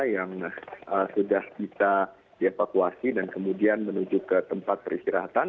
yang sudah bisa dievakuasi dan kemudian menuju ke tempat peristirahatan